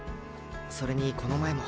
それにこの前も。